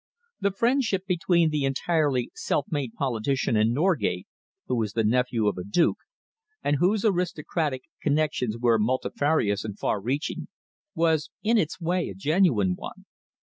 The friendship between the entirely self made politician and Norgate, who was the nephew of a duke, and whose aristocratic connections were multifarious and far reaching, was in its way a genuine one.